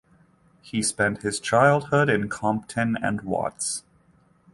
He spent his childhood in Compton and Watts.